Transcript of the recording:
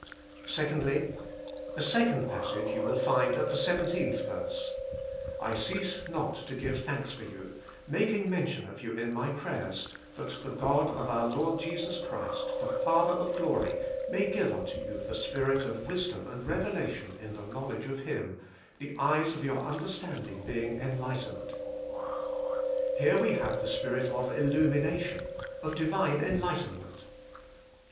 60 THE SPIRITUAL LIFE). 2. The second passage you find at the 17tli verse: '*I cease not to give thanks for you, making mention of you in my prayers; that the God of our Lord Jesus Christ, the Father of glory, may give unto you the spirit of wisdom and revelation in the knowledge of Him; the eyes of your understanding being enlightened." Here we have the Spirit of illumi?iatio7t^ of Divine enlightenment.